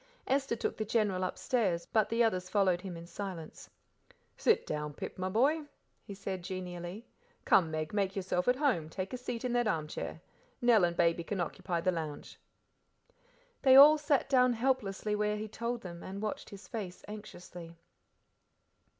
Esther took the General upstairs, but the others followed him in silence. "Sit down, Pip, my boy," he said genially. "Come, Meg, make yourself at home, take a seat in that armchair. Nell and Baby can occupy the lounge." They all sat down helplessly where he told them, and watched his face anxiously.